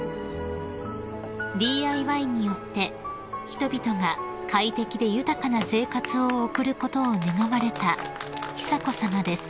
［ＤＩＹによって人々が快適で豊かな生活を送ることを願われた久子さまです］